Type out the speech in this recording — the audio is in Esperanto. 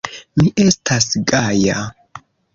Mi estas gaja.